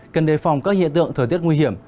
cần đề phòng các hiện tượng thời tiết nguy hiểm